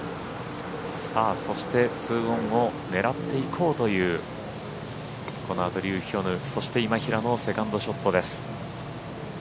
そして２オンを狙っていこうというこのあとリュー・ヒョヌ、そして今平のセカンドショットです。